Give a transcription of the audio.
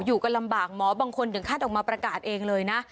อยู่กันลำบากหมอบางคนถึงขั้นออกมาประกาศเองเลยนะ